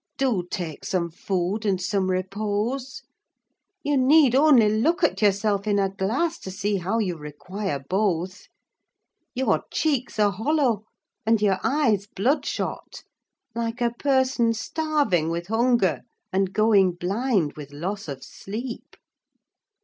Do take some food, and some repose. You need only look at yourself in a glass to see how you require both. Your cheeks are hollow, and your eyes blood shot, like a person starving with hunger and going blind with loss of sleep."